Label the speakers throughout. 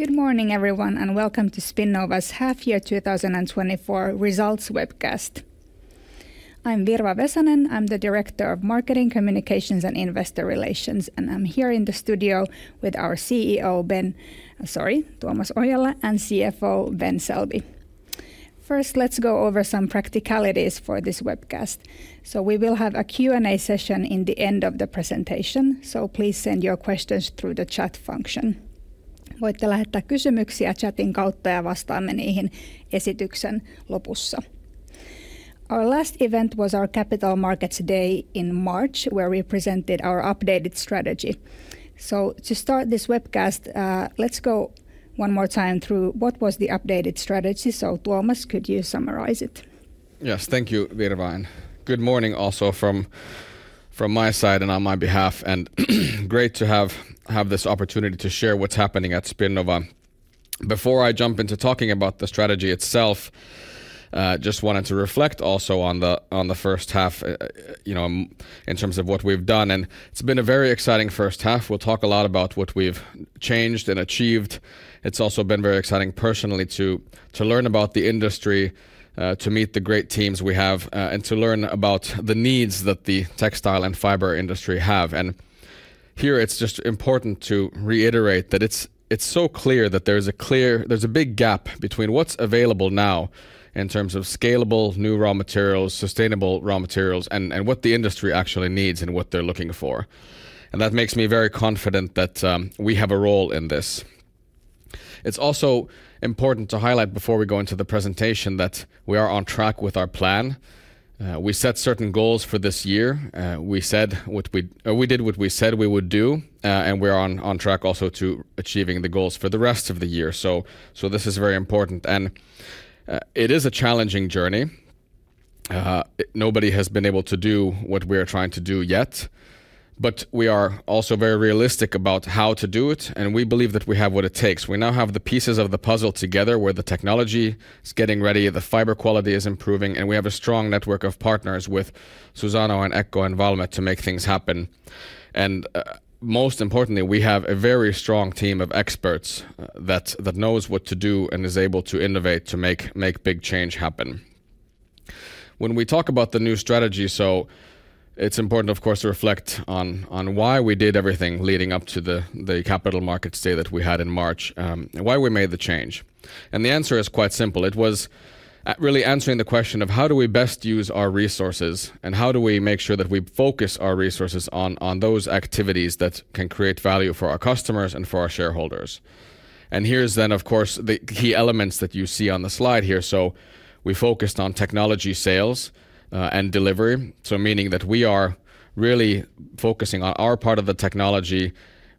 Speaker 1: Good morning, everyone, and welcome to Spinnova's Half Year 2024 Results webcast. I'm Virva Vesanen. I'm the Director of Marketing, Communications, and Investor Relations, and I'm here in the studio with our CEO, Ben, sorry, Tuomas Oijala, and CFO, Ben Selby. First, let's go over some practicalities for this webcast. So we will have a Q&A session in the end of the presentation, so please send your questions through the chat function. Voitte lähettää kysymyksiä chatin kautta, ja vastaamme niihin esityksen lopussa. Our last event was our Capital Markets Day in March, where we presented our updated strategy. So to start this webcast, let's go one more time through what was the updated strategy. So Tuomas, could you summarize it?
Speaker 2: Yes. Thank you, Virva, and good morning also from my side and on my behalf, and great to have this opportunity to share what's happening at Spinnova. Before I jump into talking about the strategy itself, just wanted to reflect also on the first half, you know, in terms of what we've done, and it's been a very exciting first half. We'll talk a lot about what we've changed and achieved. It's also been very exciting personally, to learn about the industry, to meet the great teams we have, and to learn about the needs that the textile and fiber industry have. And here, it's just important to reiterate that it's so clear that there's a clear... There's a big gap between what's available now in terms of scalable, new raw materials, sustainable raw materials, and what the industry actually needs and what they're looking for, and that makes me very confident that we have a role in this. It's also important to highlight, before we go into the presentation, that we are on track with our plan. We set certain goals for this year. We said what we, or we did what we said we would do, and we're on track also to achieving the goals for the rest of the year. So this is very important, and it is a challenging journey. Nobody has been able to do what we are trying to do yet, but we are also very realistic about how to do it, and we believe that we have what it takes. We now have the pieces of the puzzle together, where the technology is getting ready, the fiber quality is improving, and we have a strong network of partners with Suzano and ECCO and Valmet to make things happen. And most importantly, we have a very strong team of experts that knows what to do and is able to innovate, to make big change happen. When we talk about the new strategy, so it's important, of course, to reflect on why we did everything leading up to the Capital Markets Day that we had in March, and why we made the change. And the answer is quite simple. It was really answering the question of: How do we best use our resources, and how do we make sure that we focus our resources on, on those activities that can create value for our customers and for our shareholders? And here's then, of course, the key elements that you see on the slide here. So we focused on technology sales and delivery, so meaning that we are really focusing on our part of the technology,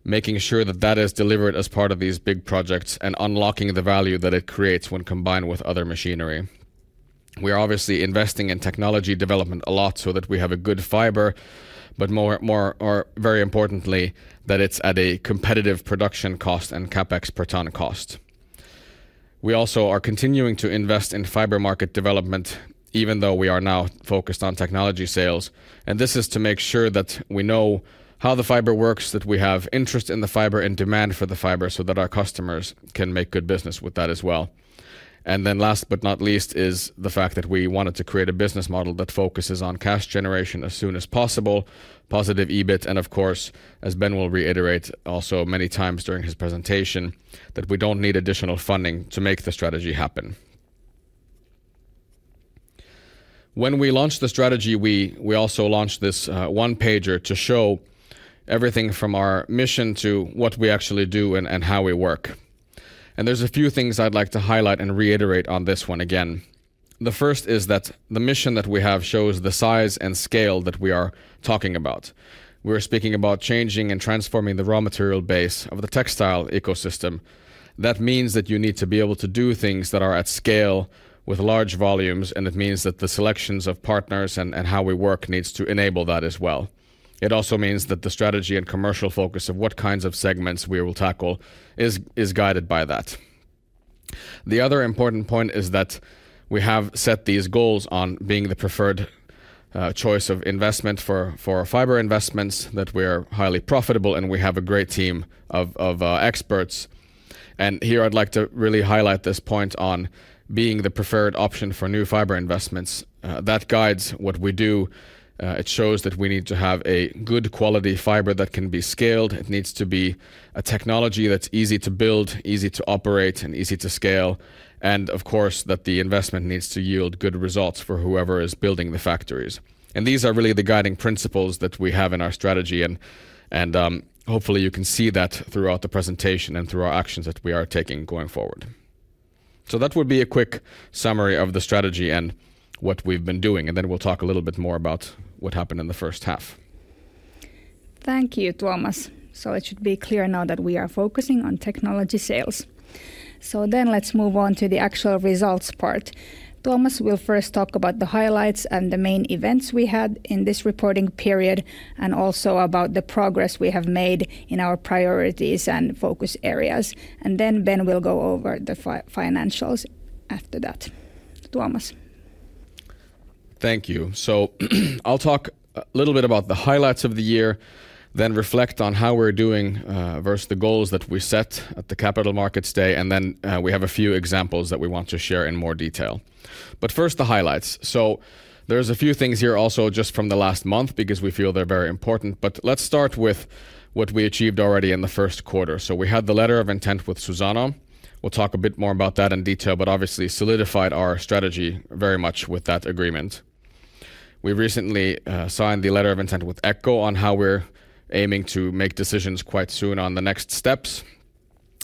Speaker 2: making sure that that is delivered as part of these big projects and unlocking the value that it creates when combined with other machinery. We are obviously investing in technology development a lot so that we have a good fiber, but more, or very importantly, that it's at a competitive production cost and CapEx per ton cost. We also are continuing to invest in fiber market development, even though we are now focused on technology sales, and this is to make sure that we know how the fiber works, that we have interest in the fiber and demand for the fiber, so that our customers can make good business with that as well. And then last but not least, is the fact that we wanted to create a business model that focuses on cash generation as soon as possible, positive EBIT, and of course, as Ben will reiterate also many times during his presentation, that we don't need additional funding to make the strategy happen. When we launched the strategy, we also launched this one-pager to show everything from our mission to what we actually do and how we work. And there's a few things I'd like to highlight and reiterate on this one again. The first is that the mission that we have shows the size and scale that we are talking about. We're speaking about changing and transforming the raw material base of the textile ecosystem. That means that you need to be able to do things that are at scale with large volumes, and it means that the selections of partners and how we work needs to enable that as well. It also means that the strategy and commercial focus of what kinds of segments we will tackle is guided by that. The other important point is that we have set these goals on being the preferred choice of investment for fiber investments, that we are highly profitable, and we have a great team of experts. Here, I'd like to really highlight this point on being the preferred option for new fiber investments. That guides what we do. It shows that we need to have a good, quality fiber that can be scaled. It needs to be a technology that's easy to build, easy to operate, and easy to scale, and of course, that the investment needs to yield good results for whoever is building the factories. These are really the guiding principles that we have in our strategy and hopefully, you can see that throughout the presentation and through our actions that we are taking going forward. That would be a quick summary of the strategy and what we've been doing, and then we'll talk a little bit more about what happened in the first half.
Speaker 1: Thank you, Tuomas. So it should be clear now that we are focusing on technology sales. So then let's move on to the actual results part. Tuomas will first talk about the highlights and the main events we had in this reporting period, and also about the progress we have made in our priorities and focus areas. And then Ben will go over the financials after that. Tuomas?...
Speaker 2: Thank you. So, I'll talk a little bit about the highlights of the year, then reflect on how we're doing versus the goals that we set at the Capital Markets Day, and then we have a few examples that we want to share in more detail. But first, the highlights. So there's a few things here also just from the last month, because we feel they're very important. But let's start with what we achieved already in the first quarter. So we had the letter of intent with Suzano. We'll talk a bit more about that in detail, but obviously solidified our strategy very much with that agreement. We recently signed the letter of intent with ECCO on how we're aiming to make decisions quite soon on the next steps,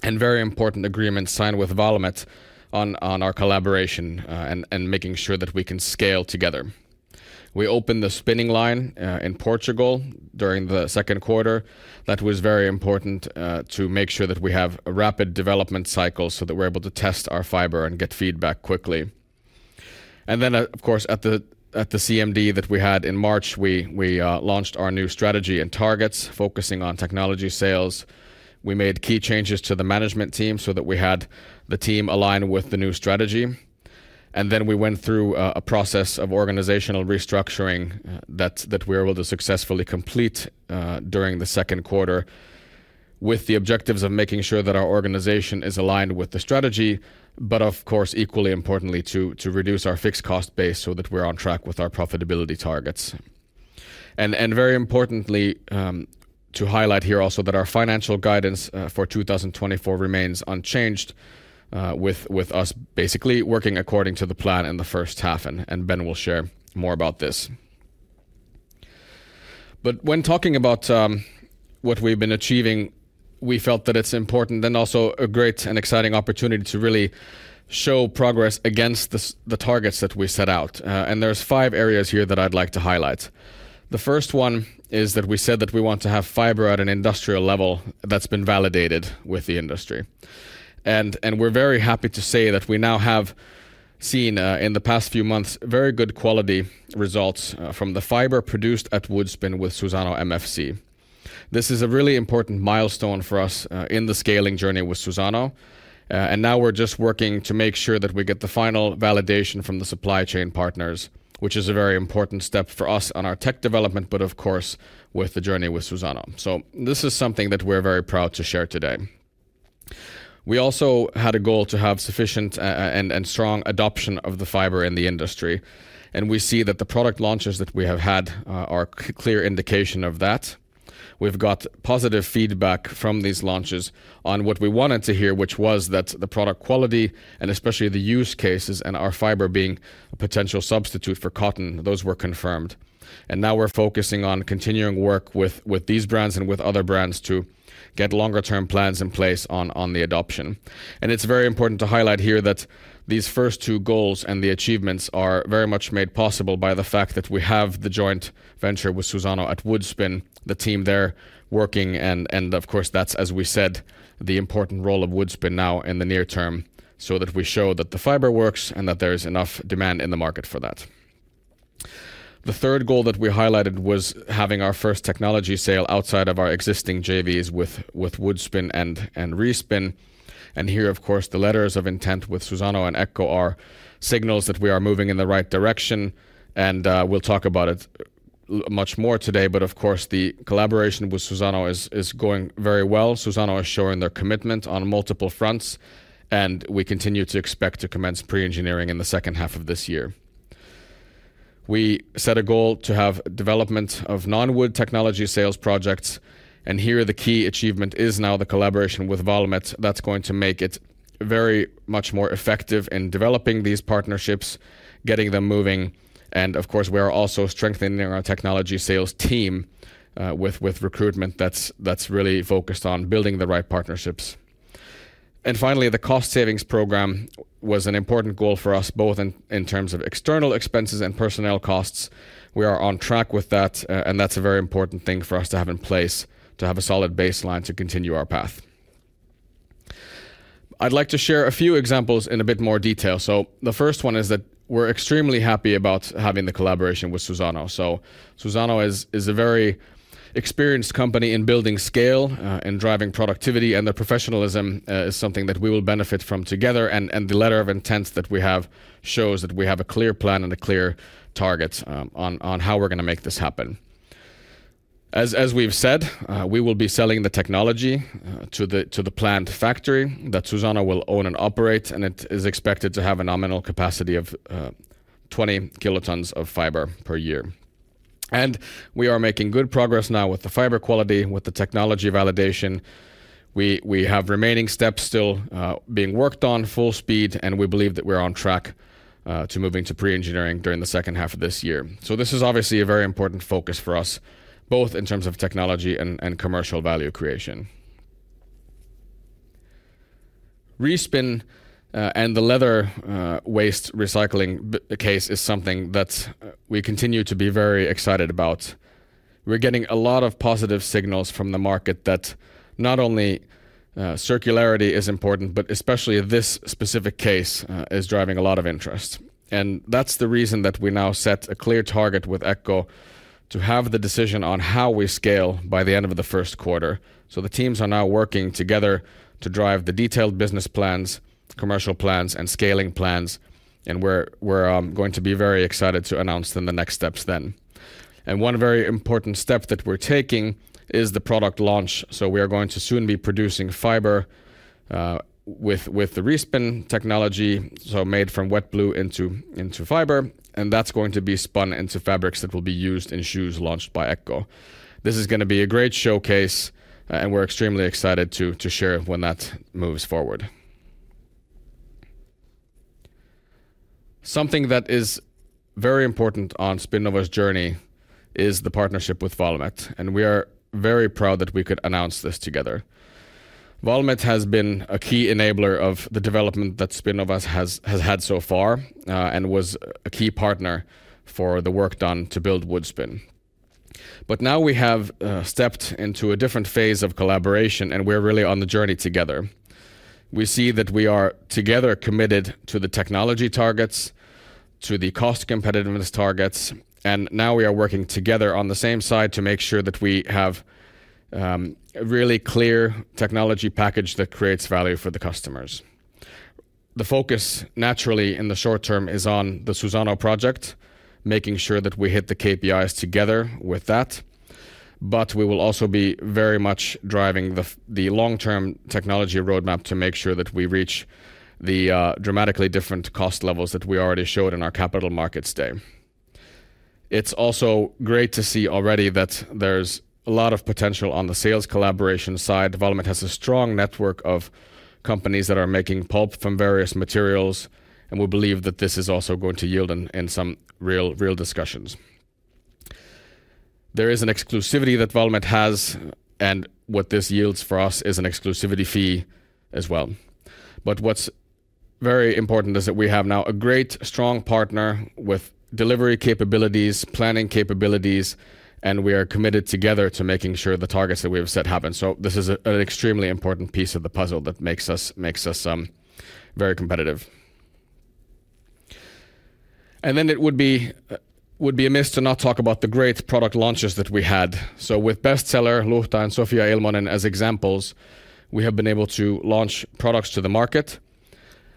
Speaker 2: and very important agreement signed with Valmet on our collaboration, and making sure that we can scale together. We opened the spinning line in Portugal during the second quarter. That was very important to make sure that we have a rapid development cycle, so that we're able to test our fiber and get feedback quickly. And then, of course, at the CMD that we had in March, we launched our new strategy and targets, focusing on technology sales. We made key changes to the management team so that we had the team aligned with the new strategy. Then we went through a process of organizational restructuring that we were able to successfully complete during the second quarter, with the objectives of making sure that our organization is aligned with the strategy, but of course, equally importantly, to reduce our fixed cost base so that we're on track with our profitability targets. And very importantly, to highlight here also that our financial guidance for 2024 remains unchanged, with us basically working according to the plan in the first half, and Ben will share more about this. But when talking about what we've been achieving, we felt that it's important and also a great and exciting opportunity to really show progress against the targets that we set out. And there's five areas here that I'd like to highlight. The first one is that we said that we want to have fiber at an industrial level that's been validated with the industry. And we're very happy to say that we now have seen, in the past few months, very good quality results from the fiber produced at Woodspin with Suzano MFC. This is a really important milestone for us in the scaling journey with Suzano. And now we're just working to make sure that we get the final validation from the supply chain partners, which is a very important step for us on our tech development, but of course, with the journey with Suzano. So this is something that we're very proud to share today. We also had a goal to have sufficient and strong adoption of the fiber in the industry, and we see that the product launches that we have had are clear indication of that. We've got positive feedback from these launches on what we wanted to hear, which was that the product quality, and especially the use cases, and our fiber being a potential substitute for cotton, those were confirmed. And now we're focusing on continuing work with these brands and with other brands to get longer-term plans in place on the adoption. And it's very important to highlight here that these first two goals and the achievements are very much made possible by the fact that we have the joint venture with Suzano at Woodspin, the team there working, and of course, that's, as we said, the important role of Woodspin now in the near term, so that we show that the fiber works and that there is enough demand in the market for that. The third goal that we highlighted was having our first technology sale outside of our existing JVs with Woodspin and Respin. And here, of course, the letters of intent with Suzano and ECCO are signals that we are moving in the right direction, and we'll talk about it much more today. But of course, the collaboration with Suzano is going very well. Suzano is showing their commitment on multiple fronts, and we continue to expect to commence pre-engineering in the second half of this year. We set a goal to have development of non-wood technology sales projects, and here the key achievement is now the collaboration with Valmet. That's going to make it very much more effective in developing these partnerships, getting them moving, and of course, we are also strengthening our technology sales team with recruitment that's really focused on building the right partnerships. And finally, the cost savings program was an important goal for us, both in terms of external expenses and personnel costs. We are on track with that, and that's a very important thing for us to have in place, to have a solid baseline to continue our path. I'd like to share a few examples in a bit more detail. So the first one is that we're extremely happy about having the collaboration with Suzano. Suzano is a very experienced company in building scale and driving productivity, and their professionalism is something that we will benefit from together. And the letter of intent that we have shows that we have a clear plan and a clear target on how we're gonna make this happen. As we've said, we will be selling the technology to the planned factory that Suzano will own and operate, and it is expected to have a nominal capacity of 20 kilotons of fiber per year. And we are making good progress now with the fiber quality, with the technology validation. We have remaining steps still being worked on full speed, and we believe that we're on track to moving to pre-engineering during the second half of this year. So this is obviously a very important focus for us, both in terms of technology and commercial value creation. Respin and the leather waste recycling business case is something that we continue to be very excited about. We're getting a lot of positive signals from the market that not only circularity is important, but especially this specific case is driving a lot of interest. And that's the reason that we now set a clear target with ECCO to have the decision on how we scale by the end of the first quarter. So the teams are now working together to drive the detailed business plans. Commercial plans and scaling plans, and we're going to be very excited to announce then the next steps then. One very important step that we're taking is the product launch. We are going to soon be producing fiber with the Respin technology, so made from wet blue into fiber, and that's going to be spun into fabrics that will be used in shoes launched by ECCO. This is gonna be a great showcase, and we're extremely excited to share it when that moves forward. Something that is very important on Spinnova's journey is the partnership with Valmet, and we are very proud that we could announce this together. Valmet has been a key enabler of the development that Spinnova has had so far, and was a key partner for the work done to build Woodspin. But now we have stepped into a different phase of collaboration, and we're really on the journey together. We see that we are together committed to the technology targets, to the cost competitiveness targets, and now we are working together on the same side to make sure that we have a really clear technology package that creates value for the customers. The focus, naturally, in the short term is on the Suzano project, making sure that we hit the KPIs together with that. But we will also be very much driving the long-term technology roadmap to make sure that we reach the dramatically different cost levels that we already showed in our Capital Markets Day. It's also great to see already that there's a lot of potential on the sales collaboration side. Valmet has a strong network of companies that are making pulp from various materials, and we believe that this is also going to yield in some real discussions. There is an exclusivity that Valmet has, and what this yields for us is an exclusivity fee as well. But what's very important is that we have now a great, strong partner with delivery capabilities, planning capabilities, and we are committed together to making sure the targets that we have set happen. So this is an extremely important piece of the puzzle that makes us very competitive. And then it would be amiss to not talk about the great product launches that we had. So with Bestseller, Luhta, and Sofia Ilmonen as examples, we have been able to launch products to the market,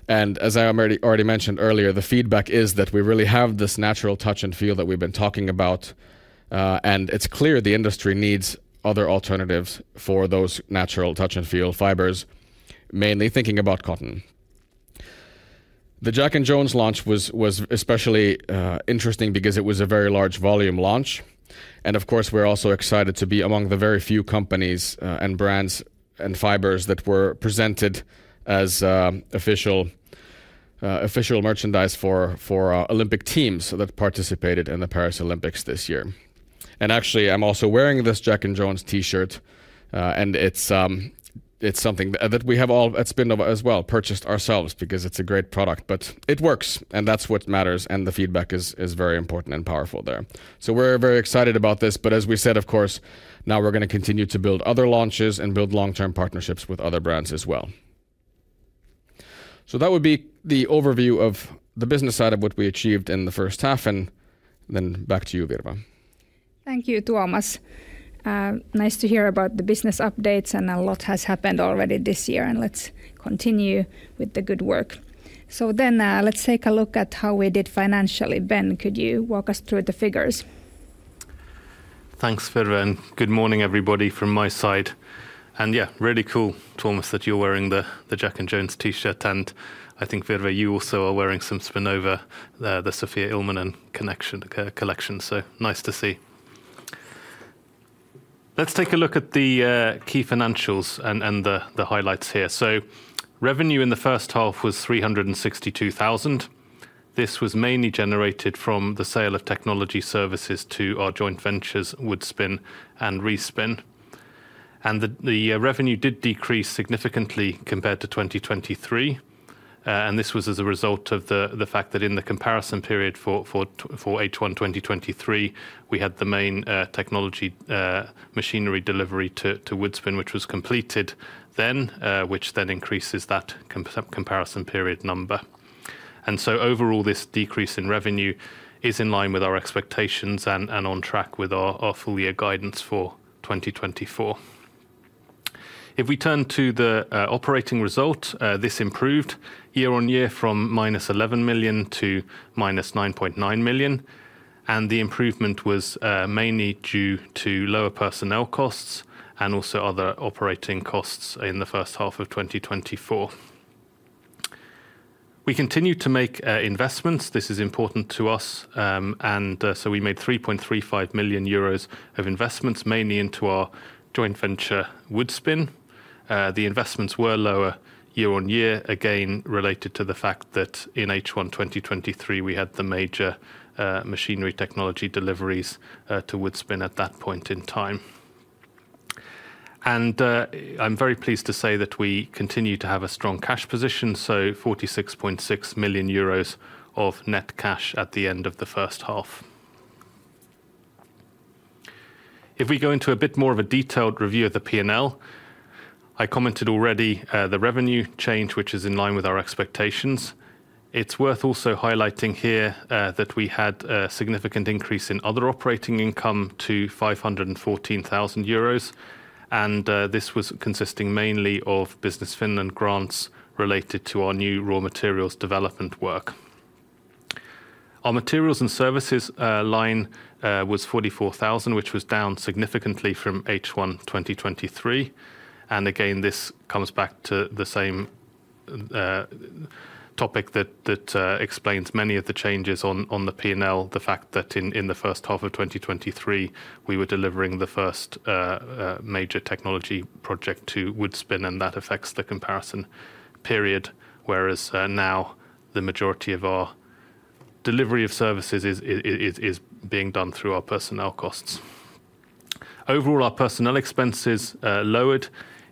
Speaker 2: and as I already mentioned earlier, the feedback is that we really have this natural touch and feel that we've been talking about. And it's clear the industry needs other alternatives for those natural touch and feel fibers, mainly thinking about cotton. The Jack & Jones launch was especially interesting because it was a very large volume launch, and of course, we're also excited to be among the very few companies and brands and fibers that were presented as official merchandise for Olympic teams that participated in the Paris Olympics this year. Actually, I'm also wearing this Jack & Jones T-shirt, and it's something that we have all at Spinnova as well purchased ourselves because it's a great product. But it works, and that's what matters, and the feedback is very important and powerful there. We're very excited about this, but as we said, of course, now we're gonna continue to build other launches and build long-term partnerships with other brands as well. That would be the overview of the business side of what we achieved in the first half, and then back to you, Virva.
Speaker 1: Thank you, Tuomas. Nice to hear about the business updates, and a lot has happened already this year, and let's continue with the good work. So then, let's take a look at how we did financially. Ben, could you walk us through the figures?
Speaker 3: Thanks, Virva, and good morning, everybody, from my side. And yeah, really cool, Tuomas, that you're wearing the Jack & Jones T-shirt, and I think, Virva, you also are wearing some Spinnova, the Sofia Ilmonen connection, collection. So nice to see. Let's take a look at the key financials and the highlights here. So revenue in the first half was 362,000. This was mainly generated from the sale of technology services to our joint ventures, Woodspin and Respin. And the revenue did decrease significantly compared to 2023, and this was as a result of the fact that in the comparison period for H1 2023, we had the main technology machinery delivery to Woodspin, which was completed then, which then increases that comparison period number. Overall, this decrease in revenue is in line with our expectations and on track with our full year guidance for 2024. If we turn to the operating result, this improved year on year from -11 million to -9.9 million, and the improvement was mainly due to lower personnel costs and also other operating costs in the first half of 2024. We continued to make investments. This is important to us, and so we made 3.35 million euros of investments, mainly into our joint venture, Woodspin. The investments were lower year on year, again, related to the fact that in H1 2023, we had the major machinery technology deliveries to Woodspin at that point in time. I'm very pleased to say that we continue to have a strong cash position, so 46.6 million euros of net cash at the end of the first half. If we go into a bit more of a detailed review of the P&L, I commented already, the revenue change, which is in line with our expectations. It's worth also highlighting here, that we had a significant increase in other operating income to 514,000 euros, and, this was consisting mainly of Business Finland grants related to our new raw materials development work. Our materials and services line was 44,000, which was down significantly from H1 2023, and again, this comes back to the same topic that explains many of the changes on the P&L, the fact that in the first half of 2023, we were delivering the first major technology project to Woodspin, and that affects the comparison period. Whereas now, the majority of our delivery of services is being done through our personnel costs. Overall, our personnel expenses lowered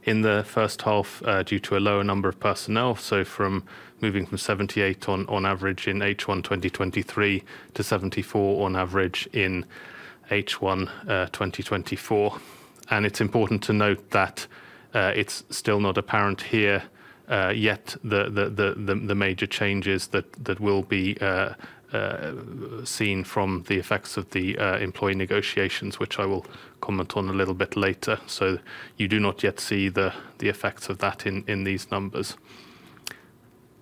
Speaker 3: in the first half due to a lower number of personnel, so from moving from 78 on average in H1 2023 to 74 on average in H1 2024. It's important to note that it's still not apparent here yet, the major changes that will be seen from the effects of the employee negotiations, which I will comment on a little bit later. You do not yet see the effects of that in these numbers.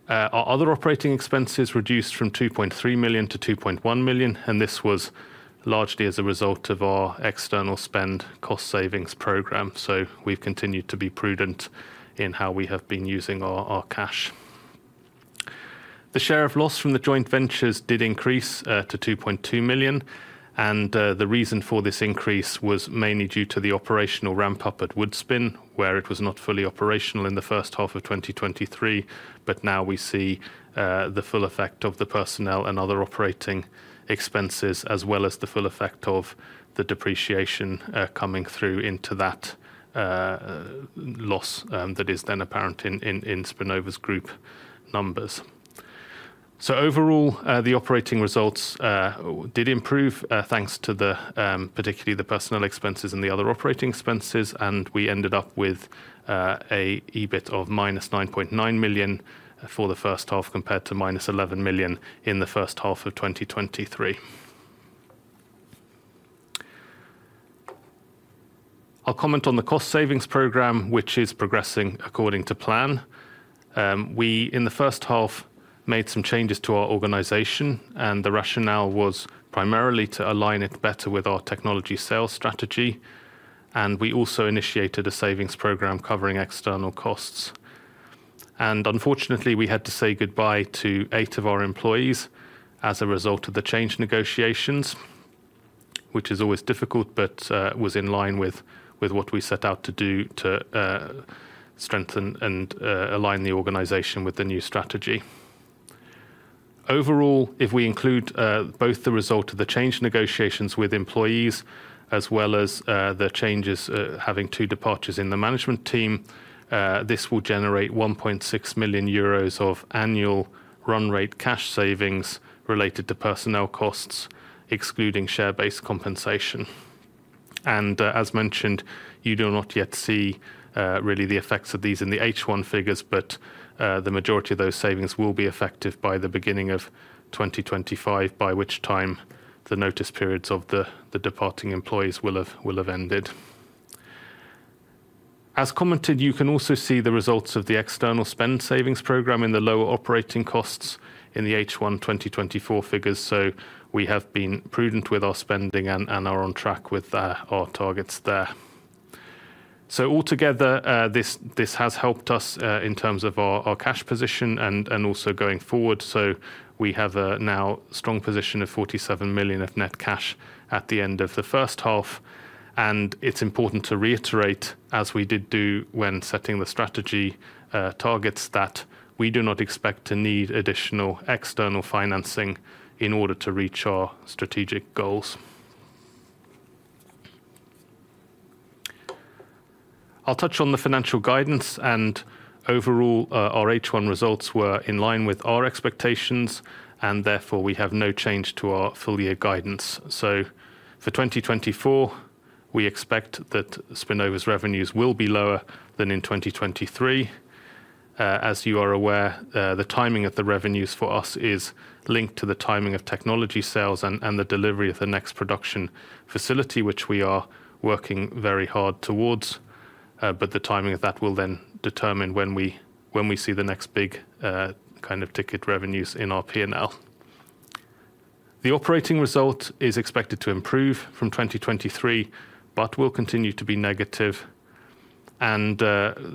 Speaker 3: Our other operating expenses reduced from 2.3 million to 2.1 million, and this was largely as a result of our external spend cost savings program. We've continued to be prudent in how we have been using our cash. The share of loss from the joint ventures did increase to 2.2 million, and the reason for this increase was mainly due to the operational ramp-up at Woodspin, where it was not fully operational in the first half of 2023. But now we see the full effect of the personnel and other operating expenses, as well as the full effect of the depreciation coming through into that loss that is then apparent in Spinnova's group numbers. So overall, the operating results did improve thanks to the particularly the personnel expenses and the other operating expenses, and we ended up with a EBIT of 9.9 million for the first half, compared to -11 million in the first half of 2023. I'll comment on the cost savings program, which is progressing according to plan. We in the first half made some changes to our organization, and the rationale was primarily to align it better with our technology sales strategy, and we also initiated a savings program covering external costs. Unfortunately, we had to say goodbye to eight of our employees as a result of the change negotiations, which is always difficult, but was in line with what we set out to do to strengthen and align the organization with the new strategy. Overall, if we include both the result of the change negotiations with employees, as well as the changes having two departures in the management team, this will generate 1.6 million euros of annual run rate cash savings related to personnel costs, excluding share-based compensation. As mentioned, you do not yet see really the effects of these in the H1 figures, but the majority of those savings will be effective by the beginning of 2025, by which time the notice periods of the departing employees will have ended. As commented, you can also see the results of the external spend savings program in the lower operating costs in the H1 2024 figures, so we have been prudent with our spending and are on track with our targets there, so altogether, this has helped us in terms of our cash position and also going forward, so we have now a strong position of 47 million of net cash at the end of the first half, and it's important to reiterate, as we did do when setting the strategy targets, that we do not expect to need additional external financing in order to reach our strategic goals. I'll touch on the financial guidance, and overall, our H1 results were in line with our expectations, and therefore, we have no change to our full year guidance. So for 2024, we expect that Spinnova's revenues will be lower than in 2023. As you are aware, the timing of the revenues for us is linked to the timing of technology sales and the delivery of the next production facility, which we are working very hard towards, but the timing of that will then determine when we see the next big kind of ticket revenues in our P&L. The operating result is expected to improve from 2023, but will continue to be negative, and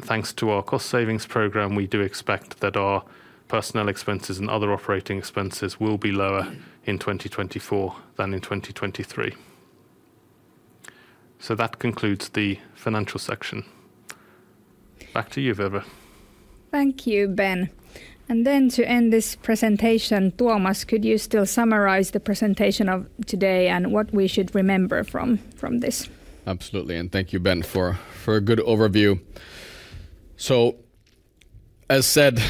Speaker 3: thanks to our cost savings program, we do expect that our personnel expenses and other operating expenses will be lower in 2024 than in 2023, so that concludes the financial section. Back to you, Virva.
Speaker 1: Thank you, Ben. And then to end this presentation, Tuomas, could you still summarize the presentation of today and what we should remember from this?
Speaker 2: Absolutely, and thank you, Ben, for a good overview. So as said,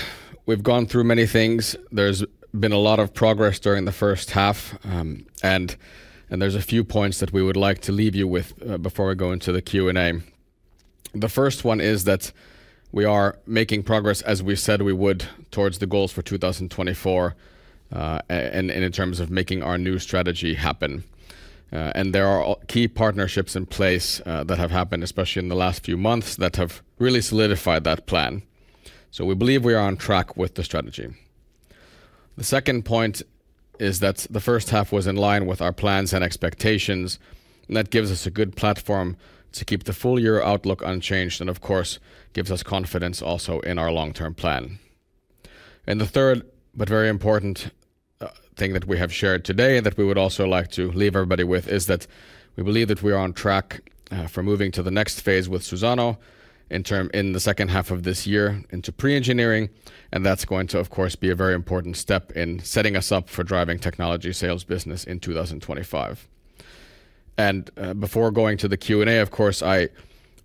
Speaker 2: we've gone through many things. There's been a lot of progress during the first half, and there's a few points that we would like to leave you with, before we go into the Q&A. The first one is that we are making progress, as we said we would, towards the goals for two thousand and twenty-four, and in terms of making our new strategy happen. And there are key partnerships in place, that have happened, especially in the last few months, that have really solidified that plan. So we believe we are on track with the strategy. The second point is that the first half was in line with our plans and expectations, and that gives us a good platform to keep the full year outlook unchanged, and of course, gives us confidence also in our long-term plan. The third, but very important, thing that we have shared today, that we would also like to leave everybody with, is that we believe that we are on track for moving to the next phase with Suzano in the second half of this year into pre-engineering, and that's going to, of course, be a very important step in setting us up for driving technology sales business in 2025. And, before going to the Q&A, of course, I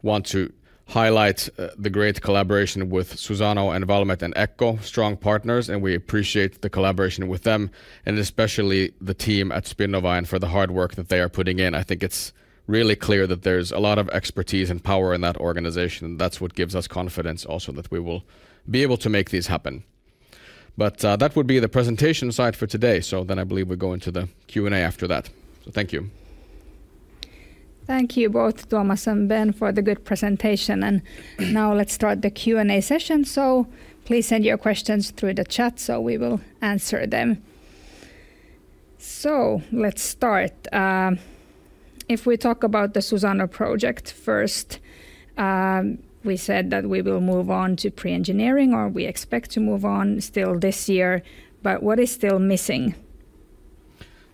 Speaker 2: want to highlight the great collaboration with Suzano, and Valmet, and ECCO, strong partners, and we appreciate the collaboration with them, and especially the team at Spinnova, and for the hard work that they are putting in. I think it's really clear that there's a lot of expertise and power in that organization, and that's what gives us confidence also that we will be able to make this happen. But, that would be the presentation side for today. So then I believe we go into the Q&A after that. So thank you.
Speaker 1: Thank you both, Tuomas and Ben, for the good presentation. And now let's start the Q&A session. So please send your questions through the chat so we will answer them. So let's start. If we talk about the Suzano project first, we said that we will move on to pre-engineering, or we expect to move on still this year, but what is still missing?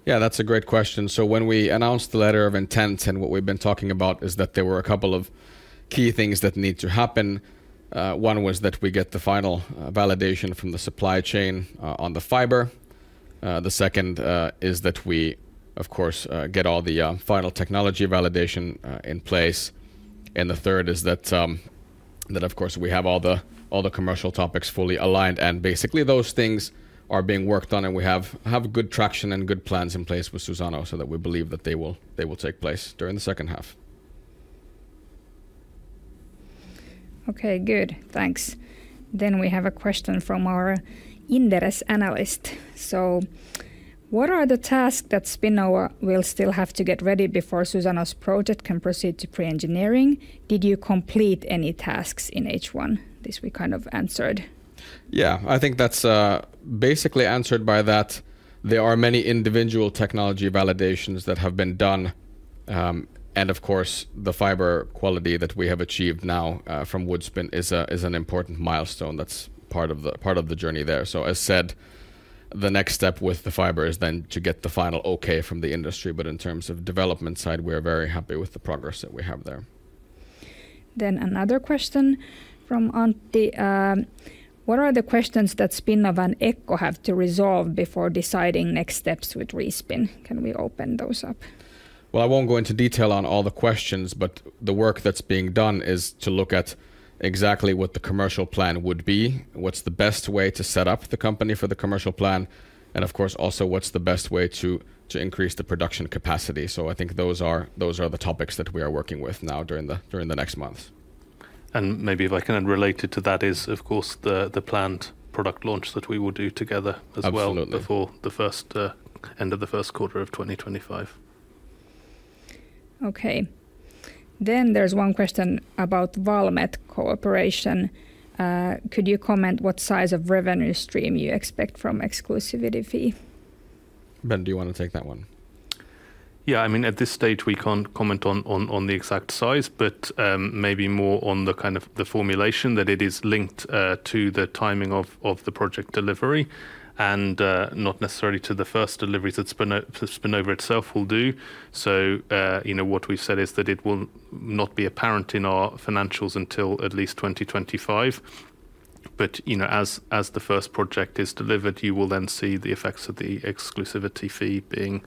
Speaker 2: Yeah, that's a great question. So when we announced the letter of intent, and what we've been talking about, is that there were a couple of key things that need to happen. One was that we get the final validation from the supply chain on the fiber. The second is that we, of course, get all the final technology validation in place. And the third is that, of course, we have all the commercial topics fully aligned. And basically, those things are being worked on, and we have good traction and good plans in place with Suzano, so that we believe that they will take place during the second half.
Speaker 1: Okay, good. Thanks. Then we have a question from our Inderes analyst: So, "What are the tasks that Spinnova will still have to get ready before Suzano's project can proceed to pre-engineering? Did you complete any tasks in H1?" This we kind of answered.
Speaker 2: Yeah, I think that's basically answered by that there are many individual technology validations that have been done. And of course, the fiber quality that we have achieved now from Woodspin is an important milestone that's part of the journey there. So as said, the next step with the fiber is then to get the final okay from the industry. But in terms of development side, we are very happy with the progress that we have there.
Speaker 1: Another question from Antti: "What are the questions that Spinnova and ECCO have to resolve before deciding next steps with Respin? Can we open those up?
Speaker 2: I won't go into detail on all the questions, but the work that's being done is to look at exactly what the commercial plan would be, what's the best way to set up the company for the commercial plan, and of course, also, what's the best way to increase the production capacity, so I think those are the topics that we are working with now during the next months.
Speaker 3: Maybe if I can add related to that is, of course, the planned product launch that we will do together as well-
Speaker 2: Absolutely...
Speaker 3: before the end of the first quarter of 2025.
Speaker 1: Okay. Then there's one question about Valmet cooperation. Could you comment what size of revenue stream you expect from exclusivity fee?
Speaker 2: Ben, do you want to take that one?
Speaker 3: Yeah, I mean, at this stage, we can't comment on the exact size, but maybe more on the kind of the formulation that it is linked to the timing of the project delivery, and not necessarily to the first deliveries that Spinnova itself will do. So, you know, what we've said is that it will not be apparent in our financials until at least 2025. But, you know, as the first project is delivered, you will then see the effects of the exclusivity fee being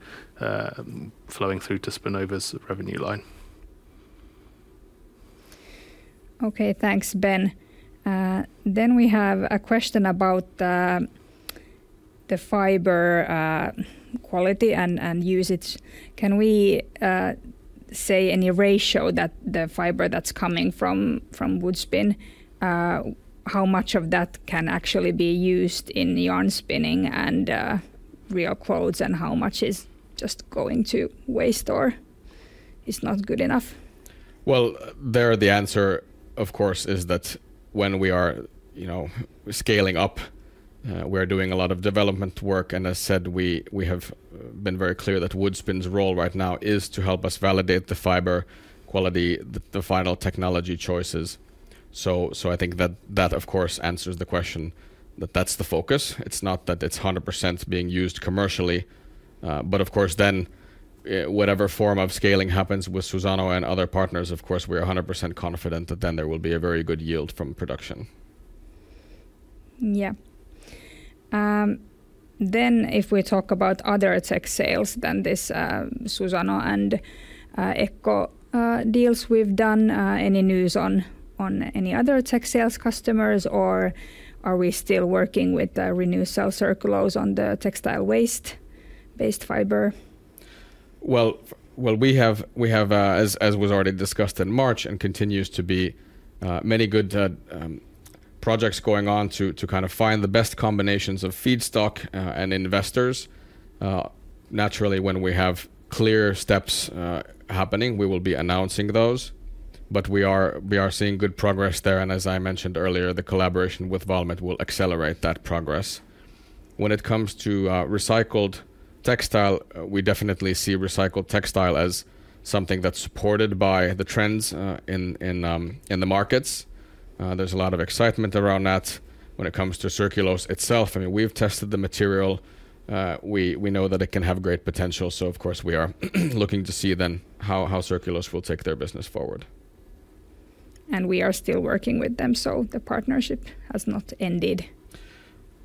Speaker 3: flowing through to Spinnova's revenue line.
Speaker 1: Okay. Thanks, Ben. Then we have a question about the fiber quality and usage. Can we say any ratio that the fiber that's coming from Woodspin, how much of that can actually be used in yarn spinning and real quotes, and how much is just going to waste or is not good enough?
Speaker 2: Well, there, the answer, of course, is that when we are, you know, scaling up, we are doing a lot of development work, and as said, we have been very clear that Woodspin's role right now is to help us validate the fiber quality, the final technology choices. So, I think that, of course, answers the question, that that's the focus. It's not that it's 100% being used commercially, but of course, then, whatever form of scaling happens with Suzano and other partners, of course, we're 100% confident that then there will be a very good yield from production.
Speaker 1: Yeah. Then if we talk about other tech sales than this, Suzano and ECCO deals we've done, any news on any other tech sales customers, or are we still working with Renewcell Circulose on the textile waste-based fiber?...
Speaker 2: We have, as was already discussed in March and continues to be, many good projects going on to kind of find the best combinations of feedstock and investors. Naturally, when we have clear steps happening, we will be announcing those, but we are seeing good progress there, and as I mentioned earlier, the collaboration with Valmet will accelerate that progress. When it comes to recycled textile, we definitely see recycled textile as something that's supported by the trends in the markets. There's a lot of excitement around that. When it comes to Circulose itself, I mean, we've tested the material. We know that it can have great potential, so of course, we are looking to see then how Circulose will take their business forward.
Speaker 1: We are still working with them, so the partnership has not ended.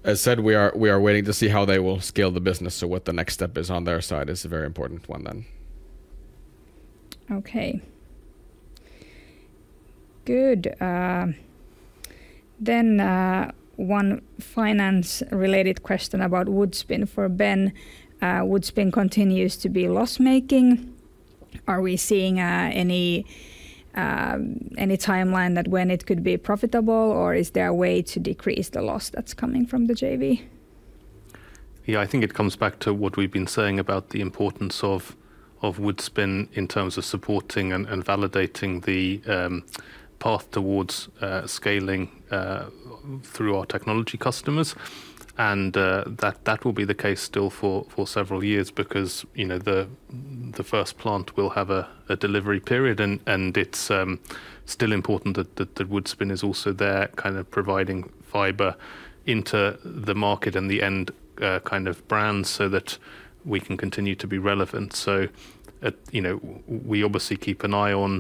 Speaker 2: As said, we are waiting to see how they will scale the business. So what the next step is on their side is a very important one then.
Speaker 1: Okay. Good. Then one finance-related question about Woodspin for Ben. Woodspin continues to be loss-making. Are we seeing any timeline that when it could be profitable, or is there a way to decrease the loss that's coming from the JV?
Speaker 3: Yeah, I think it comes back to what we've been saying about the importance of Woodspin in terms of supporting and validating the path towards scaling through our technology customers. And that will be the case still for several years because, you know, the first plant will have a delivery period, and it's still important that the Woodspin is also there, kind of providing fiber into the market and the end kind of brands, so that we can continue to be relevant. So, you know, we obviously keep an eye on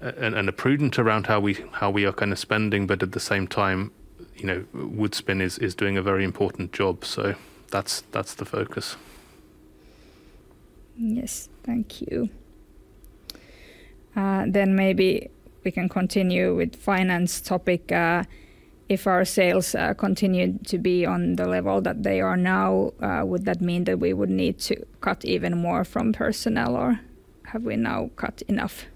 Speaker 3: and are prudent around how we are kind of spending, but at the same time, you know, Woodspin is doing a very important job, so that's the focus.
Speaker 1: Yes. Thank you. Then maybe we can continue with finance topic. If our sales continue to be on the level that they are now, would that mean that we would need to cut even more from personnel, or have we now cut enough?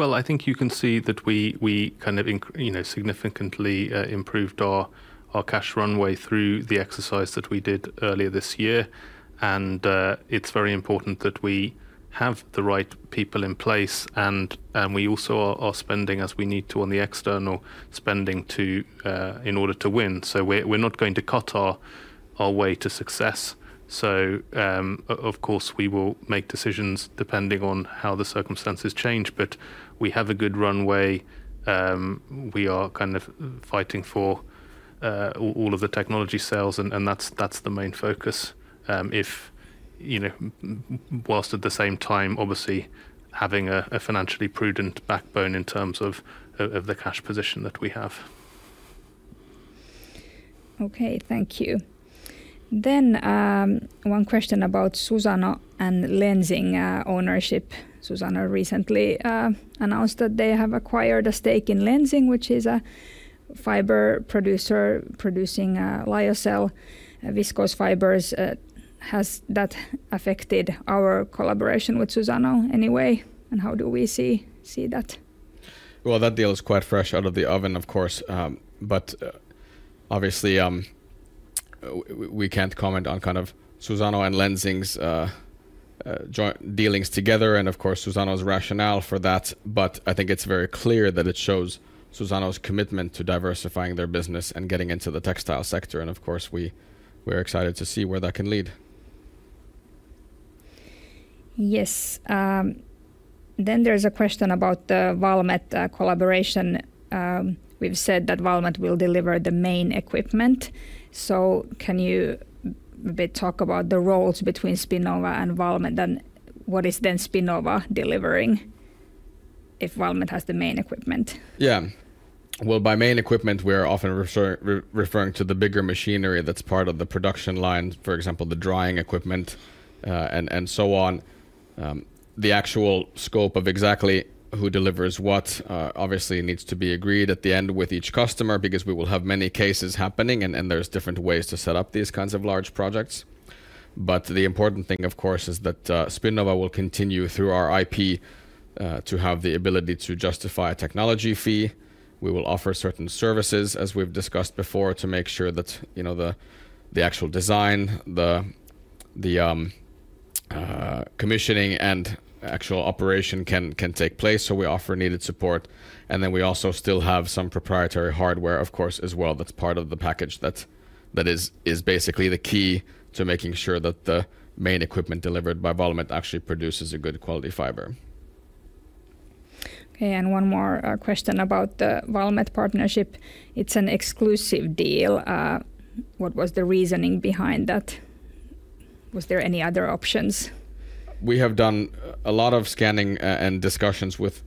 Speaker 3: I think you can see that we kind of you know, significantly improved our cash runway through the exercise that we did earlier this year. It's very important that we have the right people in place, and we also are spending as we need to on the external spending in order to win. We're not going to cut our way to success. Of course, we will make decisions depending on how the circumstances change, but we have a good runway. We are kind of fighting for all of the technology sales, and that's the main focus. If you know while at the same time, obviously, having a financially prudent backbone in terms of the cash position that we have.
Speaker 1: Okay, thank you. Then, one question about Suzano and Lenzing ownership. Suzano recently announced that they have acquired a stake in Lenzing, which is a fiber producer producing lyocell and viscose fibers. Has that affected our collaboration with Suzano in any way, and how do we see that?
Speaker 2: Well, that deal is quite fresh out of the oven, of course, but obviously, we can't comment on kind of Suzano and Lenzing's joint dealings together and, of course, Suzano's rationale for that, but I think it's very clear that it shows Suzano's commitment to diversifying their business and getting into the textile sector, and of course, we're excited to see where that can lead.
Speaker 1: Yes, then there's a question about the Valmet collaboration. We've said that Valmet will deliver the main equipment, so can you talk about the roles between Spinnova and Valmet, then what is Spinnova delivering if Valmet has the main equipment?
Speaker 2: Yeah. By main equipment, we are often referring to the bigger machinery that's part of the production line, for example, the drying equipment, and so on. The actual scope of exactly who delivers what, obviously, needs to be agreed at the end with each customer because we will have many cases happening, and there's different ways to set up these kinds of large projects. The important thing, of course, is that Spinnova will continue through our IP to have the ability to justify a technology fee. We will offer certain services, as we've discussed before, to make sure that, you know, the actual design, the commissioning and actual operation can take place, so we offer needed support. We also still have some proprietary hardware, of course, as well, that's part of the package that is basically the key to making sure that the main equipment delivered by Valmet actually produces a good quality fiber.
Speaker 1: Okay, and one more question about the Valmet partnership. It's an exclusive deal. What was the reasoning behind that? Was there any other options?
Speaker 2: We have done a lot of scanning, and discussions with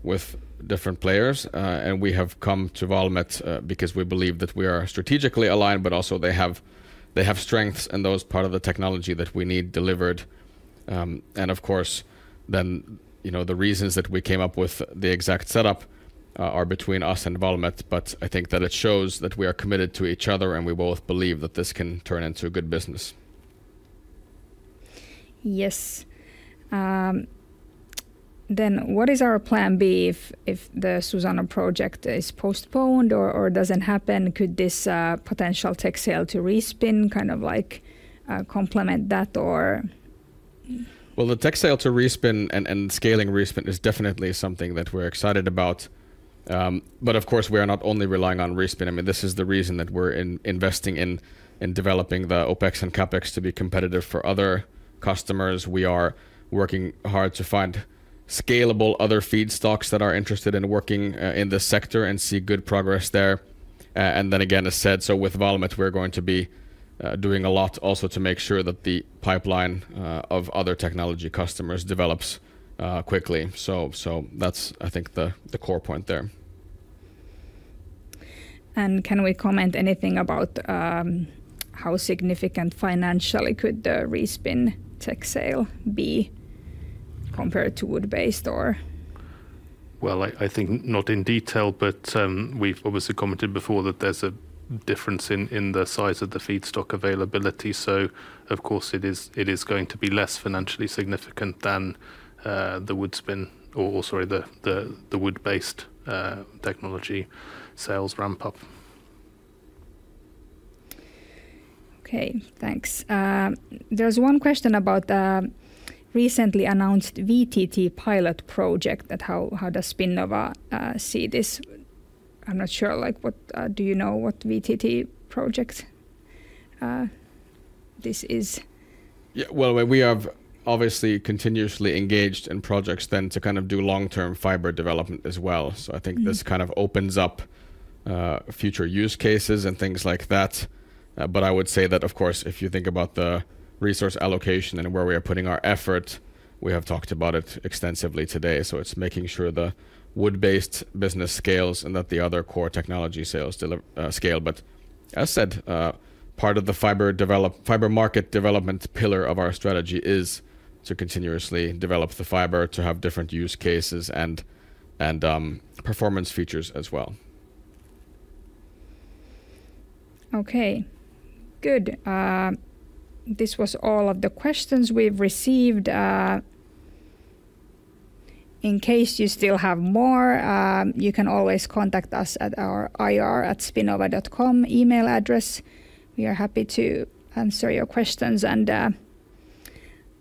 Speaker 2: different players, and we have come to Valmet, because we believe that we are strategically aligned, but also they have strengths in those part of the technology that we need delivered. And of course, then, you know, the reasons that we came up with the exact setup are between us and Valmet, but I think that it shows that we are committed to each other, and we both believe that this can turn into a good business. ...
Speaker 1: Yes. Then what is our plan B if the Suzano project is postponed or doesn't happen? Could this potential tech sale to Respin kind of like complement that or?
Speaker 2: The tech sale to Respin and scaling Respin is definitely something that we're excited about. But of course, we are not only relying on Respin. I mean, this is the reason that we're investing in developing the OpEx and CapEx to be competitive for other customers. We are working hard to find scalable other feedstocks that are interested in working in this sector, and see good progress there. And then again, as said, with Valmet, we're going to be doing a lot also to make sure that the pipeline of other technology customers develops quickly. So that's, I think, the core point there.
Speaker 1: Can we comment anything about how significant financially the Respin tech sale could be compared to wood-based or?
Speaker 3: I think not in detail, but we've obviously commented before that there's a difference in the size of the feedstock availability. So of course, it is going to be less financially significant than the Woodspin or sorry, the wood-based technology sales ramp up.
Speaker 1: Okay, thanks. There's one question about the recently announced VTT pilot project, that how does Spinnova see this? I'm not sure, like, what. Do you know what VTT project this is?
Speaker 2: Yeah. We have obviously continuously engaged in projects then to kind of do long-term fiber development as well. So I think this kind of opens up future use cases and things like that. But I would say that, of course, if you think about the resource allocation and where we are putting our effort, we have talked about it extensively today. So it's making sure the wood-based business scales and that the other core technology sales deliver scale. But as said, part of the fiber market development pillar of our strategy is to continuously develop the fiber, to have different use cases and performance features as well.
Speaker 1: Okay, good. This was all of the questions we've received. In case you still have more, you can always contact us at our ir@spinnova.com email address. We are happy to answer your questions, and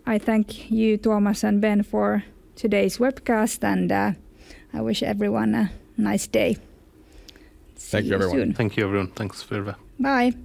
Speaker 1: I thank you, Tuomas and Ben, for today's webcast, and I wish everyone a nice day.
Speaker 2: Thank you, everyone.
Speaker 3: Thank you, everyone. Thanks, Virva.
Speaker 1: Bye!